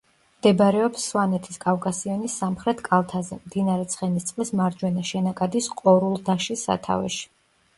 მდებარეობს სვანეთის კავკასიონის სამხრეთ კალთაზე, მდინარე ცხენისწყლის მარჯვენა შენაკადის ყორულდაშის სათავეში.